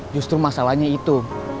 justru masalahnya itu